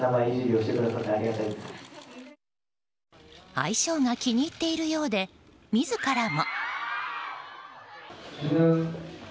愛称が気に入っているようで自らも。